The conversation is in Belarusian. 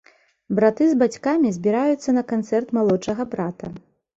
Браты з бацькамі збіраюцца на канцэрт малодшага брата.